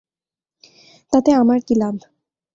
তাতে আমার কী লাভ?